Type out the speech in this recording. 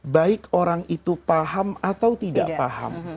baik orang itu paham atau tidak paham